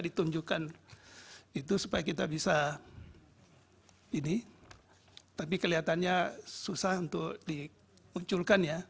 ditunjukkan itu supaya kita bisa ini tapi kelihatannya susah untuk dimunculkan ya